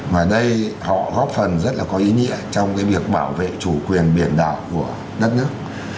mà đây họ góp phần rất là có ý nghĩa trong cái việc bảo vệ chủ quyền biển đảo của đất nước